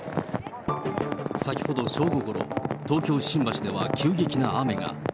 先ほど正午ごろ、東京・新橋では急激な雨が。